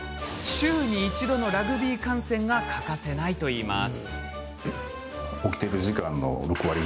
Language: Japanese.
週に一度のラグビー観戦が欠かせないといいます。